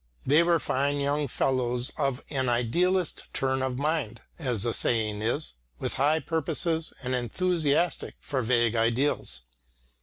They were fine young fellows of an idealist turn of mind, as the saying is, with high purposes and enthusiastic for vague ideals.